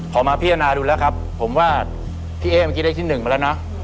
มาพิจารณาดูแล้วครับผมว่าพี่เอ๊เมื่อกี้ได้ที่หนึ่งมาแล้วนะ